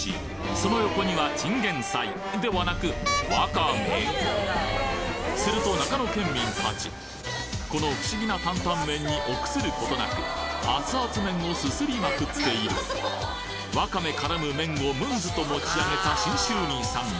その横にはチンゲン菜ではなくすると長野県民たちこの不思議なタンタンメンに臆することなく熱々麺をすすりまくっているわかめ絡む麺をむんずと持ち上げた信州民さん